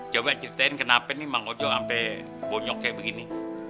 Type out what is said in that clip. coba ceritain kenapa nih mang ojo sampai bonyok kayak begini